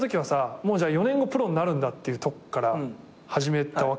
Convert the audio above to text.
もう４年後プロになるんだっていうとこから始めたわけ？